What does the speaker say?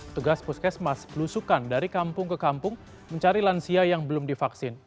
tugas puskesmas belusukan dari kampung ke kampung mencari lansia yang belum divaksin